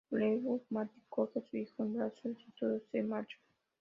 Luego, Matt coge a su hijo en brazos y todos se marchan.